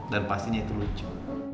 dan pastinya itu lucu